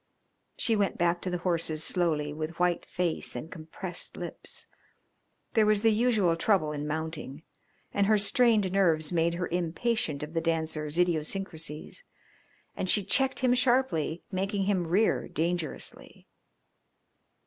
She went back to the horses slowly with white face and compressed lips. There was the usual trouble in mounting, and her strained nerves made her impatient of The Dancer's idiosyncrasies, and she checked him sharply, making him rear dangerously.